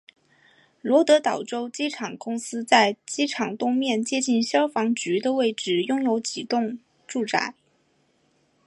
罗德岛州机场公司在机场东面接近消防局的位置拥有几幢住宅。